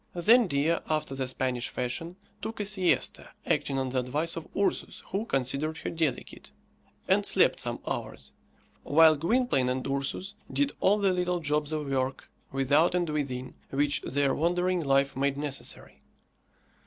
Then Dea, after the Spanish fashion, took a siesta, acting on the advice of Ursus, who considered her delicate, and slept some hours, while Gwynplaine and Ursus did all the little jobs of work, without and within, which their wandering life made necessary.